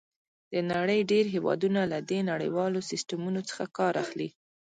د نړۍ ډېر هېوادونه له دې نړیوالو سیسټمونو څخه کار اخلي.